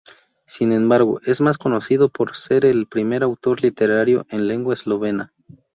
Sin embargo, es más conocido por ser el primer autor literario en lengua eslovena.